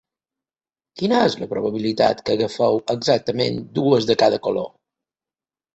Quina és la probabilitat que agafeu exactament dues de cada color?